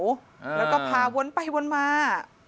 แล้วก็พาวนไปวนมา